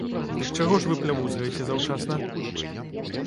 Дык чаго ж вы плявузгаеце заўчасна?